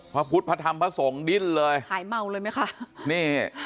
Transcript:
พระพุทธพระธรรมพระสงฆ์ดิ้นเลยหายเมาเลยไหมคะนี่